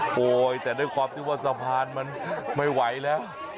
โอ้ยแต่ด้วยความที่ว่าสะพานมันไม่ไหวแล้ว